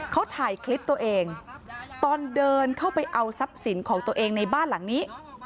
เขาถ่ายคลิปตัวเองตอนเดินเข้าไปเอาทรัพย์สินของตัวเองในบ้านหลังนี้